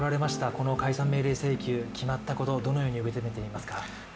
この解散命令請求、決まったことどのように受け止めていますか。